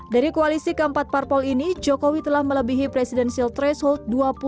dari koalisi keempat parpol ini jokowi telah melebihi presidential threshold